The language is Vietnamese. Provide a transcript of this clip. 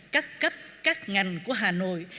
các cấp các ngành của hà nội